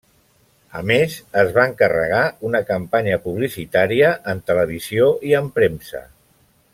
A més, es va encarregar una campanya publicitària en televisió i en premsa.